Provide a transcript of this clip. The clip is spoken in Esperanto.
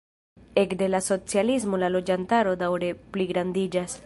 Ekde la socialismo la loĝantaro daŭre pligrandiĝas.